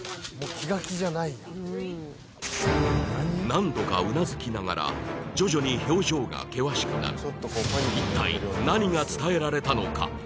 何度かうなずきながら徐々に表情が険しくなる一体何が伝えられたのか？